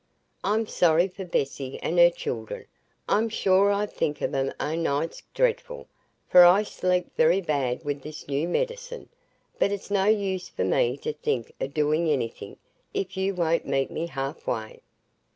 I'm sorry for Bessy and her children,—I'm sure I think of 'em o' nights dreadful, for I sleep very bad wi' this new medicine,—but it's no use for me to think o' doing anything, if you won't meet me half way."